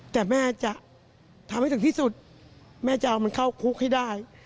แต่แม่จะทำให้ถึงที่สุดแม่จะเอามันเข้าคุกให้ได้